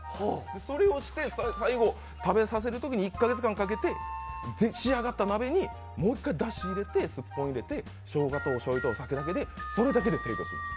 それをして最後、食べさせるときに１カ月間かけて仕上がった鍋にもう一回だし入れて、スッポン入れて、しょうがとおしょうゆとお酒だけで。